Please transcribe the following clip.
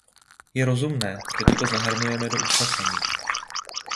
Je rozumné, že toto zahrnujeme do usnesení.